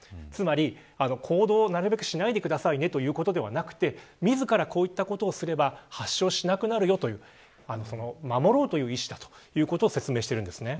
つまり、行動をなるべくしないでくださいね、ということではなく自ら、こういったことをすれば発症しなくなるよという守ろうという意思だと説明しているんです。